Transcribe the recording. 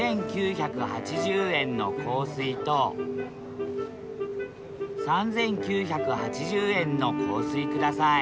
２，９８０円の香水と３，９８０円の香水ください